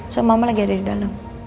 sama mama lagi ada di dalam